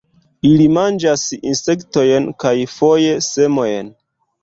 Ili manĝas insektojn kaj foje semojn.